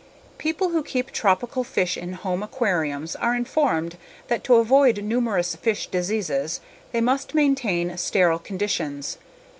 People who keep tropical fish in home aquariums are informed that to avoid numerous fish diseases they must maintain sterile conditions.